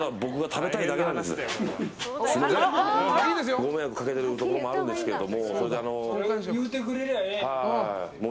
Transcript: ご迷惑かけてるところもあるんですけども。